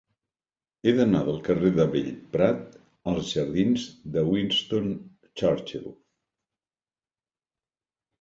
He d'anar del carrer de Bellprat als jardins de Winston Churchill.